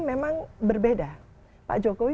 memang berbeda pak jokowi